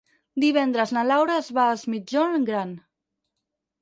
Divendres na Laura va a Es Migjorn Gran.